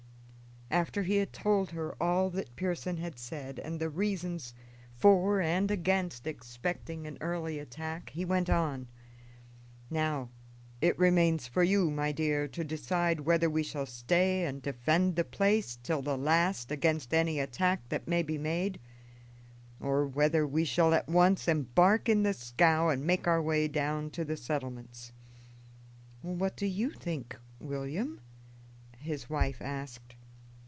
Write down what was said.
After he had told her all that Pearson had said, and the reasons for and against expecting an early attack, he went on: "Now, it remains for you, my dear, to decide whether we shall stay and defend the place till the last against any attack that may be made, or whether we shall at once embark in the scow and make our way down to the settlements." "What do you think, William?" his wife asked.